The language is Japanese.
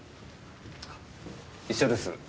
一緒です。